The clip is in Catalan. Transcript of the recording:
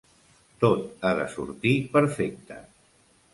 Tot ha de sortir perfecte.